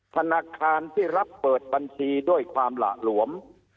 ธนาคารที่รับเปิดบัญชีด้วยความหละหลวม